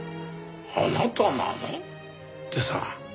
「あなたなの？」ってさ。